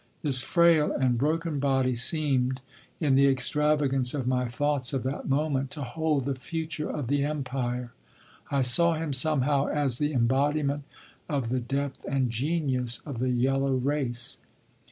This frail and broken body seemed, in the extravagance of my thoughts of that moment, to hold the future of the Empire. I saw him somehow as the embodiment of the depth and genius of the yellow race.